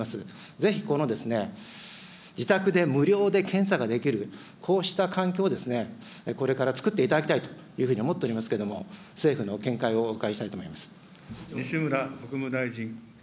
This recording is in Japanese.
ぜひこの自宅で無料で検査ができる、こうした環境をこれから作っていただきたいというふうに思っておりますけれども、政府の見解をお伺いしたいと思います。